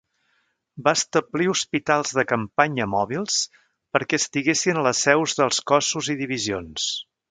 Va establir hospitals de campanya mòbils perquè estiguessin a les seus dels cossos i divisions.